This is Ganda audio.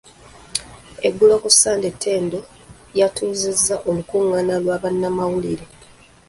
Eggulo ku Ssande, Tendo yatuuzizza olukung’aana lwa bannamawulire